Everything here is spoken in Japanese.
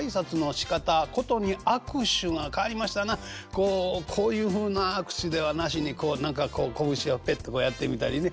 こうこういうふうな握手ではなしにこう何かこう拳をペッとこうやってみたりね